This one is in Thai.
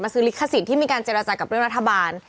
ซื้อลิขสิทธิ์ที่มีการเจรจากับเรื่องรัฐบาล